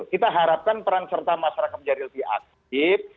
kita harapkan peran serta masyarakat menjadi lebih aktif